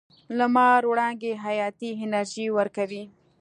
لمر وړانګې حیاتي انرژي ورکوي.